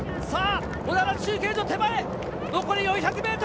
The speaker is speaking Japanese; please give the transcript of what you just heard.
小田原中継所手前、残り４００ｍ。